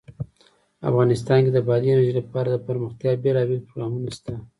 افغانستان کې د بادي انرژي لپاره دپرمختیا بېلابېل پروګرامونه شته.